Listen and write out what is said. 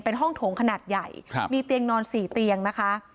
เป็นห้องโถงขนาดใหญ่มีเตียงนอน๔เตียงนะคะ